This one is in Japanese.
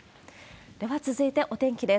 では続いて、お天気です。